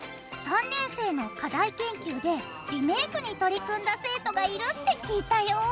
３年生の課題研究でリメイクに取り組んだ生徒がいるって聞いたよ。